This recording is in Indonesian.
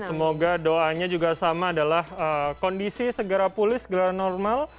semoga doanya juga sama adalah kondisi segera pulih segera normal